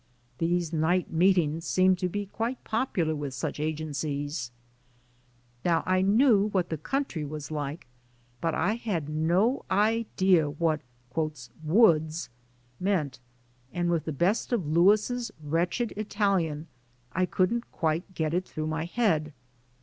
These night meetings seem to be quite popular with such agencies ! Now, I knew what the country was like, but I had no idea what "woods" meant, and with the best of Louis' wretched Ital ian, I couldn't quite get it through my head.